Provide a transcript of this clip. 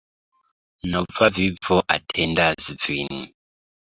Nova vivo atendas vin!